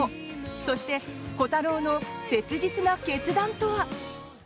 そして、コタローの切実な決断とは？